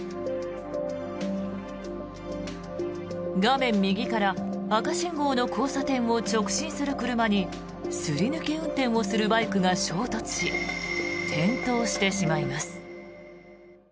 画面右から赤信号の交差点を直進する車にすり抜け運転をするバイクが衝突し、転倒してしまいます。